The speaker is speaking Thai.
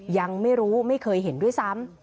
ยังไม่รู้ไม่เคยเห็นด้วยซ้ำ